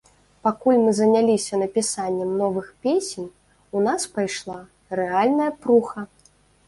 Пакуль мы заняліся напісаннем новых песень, у нас пайшла рэальная пруха.